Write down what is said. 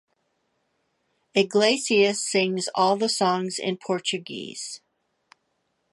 Iglesias sings all the songs in Portuguese.